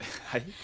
はい。